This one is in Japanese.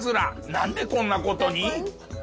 なんでこんな事に？